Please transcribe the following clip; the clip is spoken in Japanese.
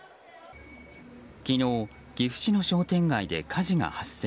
昨日、岐阜市の商店街で火事が発生。